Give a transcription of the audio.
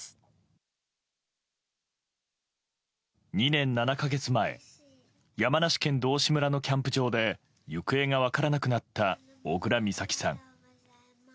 ２年７か月前山梨県道志村のキャンプ場で行方が分からなくなった小倉美咲さん。